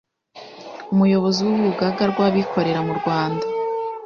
Umuyobozi w’Urugaga rw’Abikorera mu Rwanda